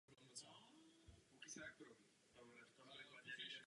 To jsou reálné tváře nové totality.